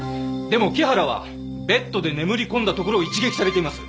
でも木原はベッドで眠り込んだところを一撃されています。